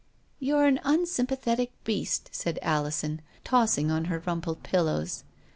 " "You're an unsympathetic beast," said Alison, tossing on her rumpled pillows.